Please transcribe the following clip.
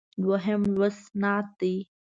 دویم لوست نعت دی.